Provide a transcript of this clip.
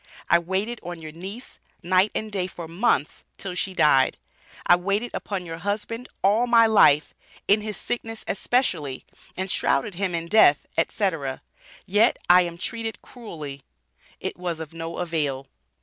"I waited on your niece, night and day for months, till she died." "I waited upon your husband all my life in his sickness especially, and shrouded him in death, etc., yet I am treated cruelly." It was of no avail.